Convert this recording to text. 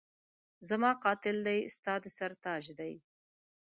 زما قاتل دی ستا د سر تاج دی